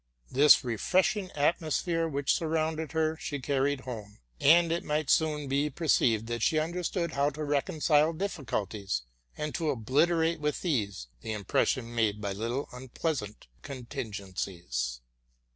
This refreshing atmosphere which sure rounded her she carried home; and it might soon be per ceived that she understood how to reconcile difficulties, and to obliterate with ease the impression made by little unpleas ant contingencies.